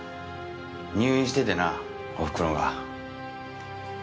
入院しててなおふくろが。